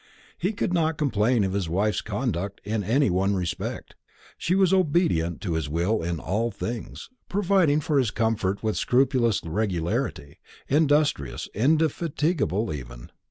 He could not complain of his wife's conduct in any one respect. She was obedient to his will in all things, providing for his comfort with scrupulous regularity, industrious, indefatigable even.